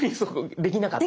できなかった。